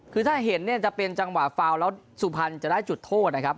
คือถ้าเห็นเนี่ยจะเป็นจังหวะฟาวแล้วสุพรรณจะได้จุดโทษนะครับ